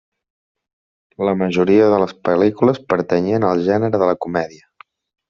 La majoria de les pel·lícules pertanyien al gènere de la comèdia.